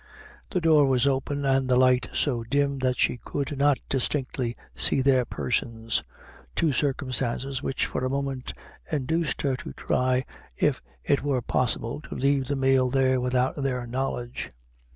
The door was open, and the light so dim, that she could not distinctly see their persons two circumstances which for a moment induced her to try if it were possible to leave the meal there without their knowledge.